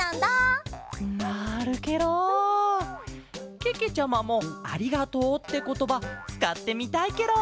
けけちゃまも「ありがとう」ってことばつかってみたいケロ。